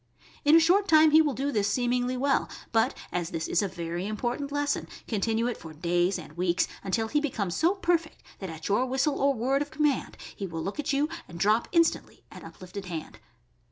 In a short time he will do this seemingly well, but as this is a very important lesson, continue it for days and weeks until he becomes so per fect that at your whistle or word of command he will look at you and drop instantly at uplifted hand.